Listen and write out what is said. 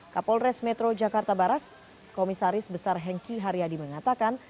kapolres metro jakarta barat komisaris besar hengki haryadi mengatakan